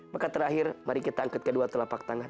maka terakhir mari kita angkat kedua telapak tangan